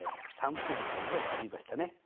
「散布図」というのを作りましたね。